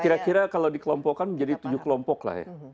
kira kira kalau dikelompokkan menjadi tujuh kelompok lah ya